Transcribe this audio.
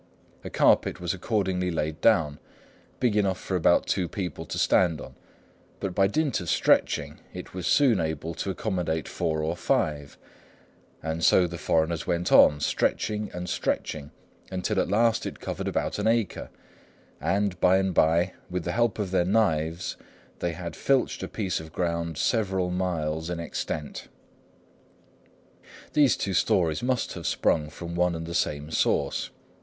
A carpet was accordingly laid down, big enough for about two people to stand on; but by dint of stretching, it was soon able to accommodate four or five; and so the foreigners went on, stretching and stretching, until at last it covered about an acre, and by and by, with the help of their knives, they had filched a piece of ground several miles in extent." These two stories must have sprung from one and the same source.